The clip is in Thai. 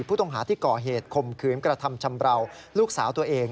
ผู้ต้องหาที่ก่อเหตุคมขืนกระทำชำราวลูกสาวตัวเอง